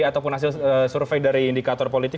ataupun hasil survei dari indikator politik